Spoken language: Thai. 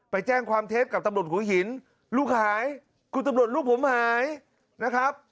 ไปแจ้งความเท็จกับตำรวจหัวหินลูกหายคุณตำรวจลูกผมหายนะครับ